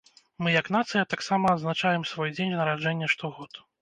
Мы як нацыя таксама адзначаем свой дзень нараджэння штогод.